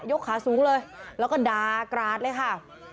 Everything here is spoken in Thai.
ขาสูงเลยแล้วก็ดากราดเลยค่ะ